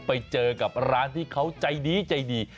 ไปเจอกับร้านที่เขาใจดีใจดี